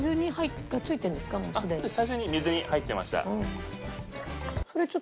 最初に水に入ってました。